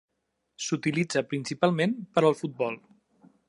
S'utilitza principalment per al futbol.